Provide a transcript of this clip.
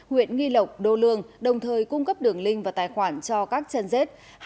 huyện nghi lộc đô lương đồng thời cung cấp đường link và tài khoản cho các chân dết